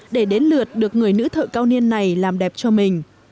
để đến lượt được người nữ thợ cao niên này làm đẹp cho mình